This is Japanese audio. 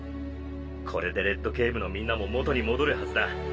これでレッドケイブのみんなも元に戻るはずだ。